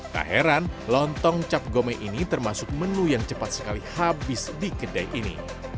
tak heran lontong cap gome ini termasuk menu yang cepat sekali habis di kedai ini